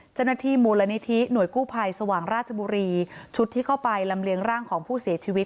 เจ้าหน้าที่มูลนิธิหน่วยกู้ภัยสว่างราชบุรีชุดที่เข้าไปลำเลียงร่างของผู้เสียชีวิต